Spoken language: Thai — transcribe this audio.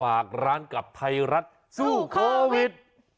ฝากร้านกับไทยรัฐสู้โควิด